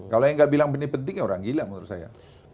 kalau yang tidak bilang ini penting orang gila menurut saya